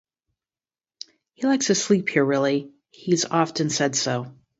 He likes to sleep here really, he's often said so.